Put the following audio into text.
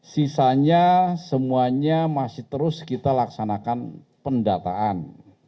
sisanya semuanya masih terus kita laksanakan pendataan